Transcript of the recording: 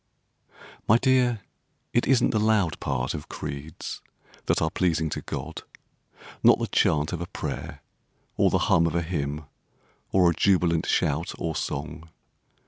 My dear, it isn't the loud part Of creeds that are pleasing to God, Not the chant of a prayer, or the hum of a hymn, or a jubilant shout or song.